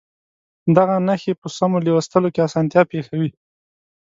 دغه نښې په سمو لوستلو کې اسانتیا پېښوي.